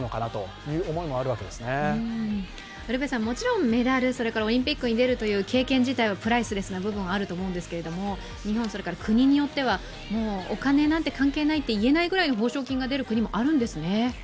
もちろんメダル、それからオリンピックに出るという経験自体がプライスレスな部分があると思うんですけども日本それから国によってはお金なんて関係ないと言えないくらい、報奨金が出る国もあるんですね。